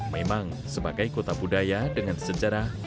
memang sebagai kota budaya dengan sejarah